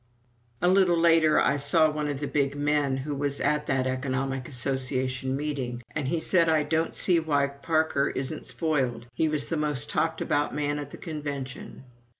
A little later I saw one of the big men who was at that Economic Association meeting, and he said: "I don't see why Parker isn't spoiled. He was the most talked about man at the Convention."